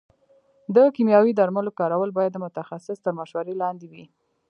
د کيمياوي درملو کارول باید د متخصص تر مشورې لاندې وي.